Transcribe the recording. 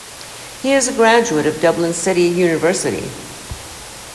He is a graduate of Dublin City University.